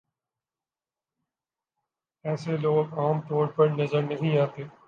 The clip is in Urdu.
ایسے لوگ عام طور پر نظر نہیں آتے